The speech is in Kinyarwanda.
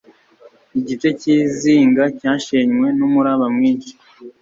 igice cyizinga cyashenywe numuraba mwinshi